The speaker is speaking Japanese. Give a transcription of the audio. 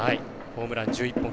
ホームラン１１本。